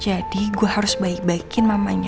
jadi gue harus baik baikin mamanya